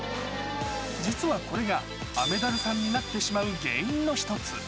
実はこれが雨ダルさんになってしまう原因の一つ。